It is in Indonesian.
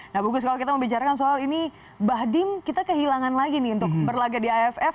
nah bungkus kalau kita mau bicarakan soal ini bahdim kita kehilangan lagi nih untuk berlagak di aff